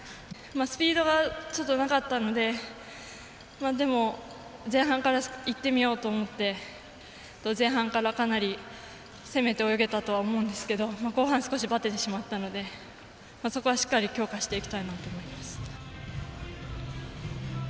スピードはちょっとなかったのででも、前半からいってみようと思って前半から、かなり攻めて泳げたと思うんですけど後半、少しばててしまったのでそれは強化していきたいなと思います。